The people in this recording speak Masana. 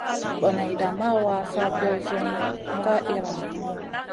Boneyda ma wa, sa banion ka iyranou.